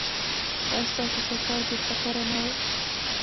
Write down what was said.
ایا ستاسو سفر بې خطره نه و؟